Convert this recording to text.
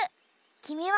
きみは？